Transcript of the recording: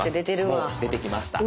もう出てきました。